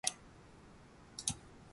明記してください。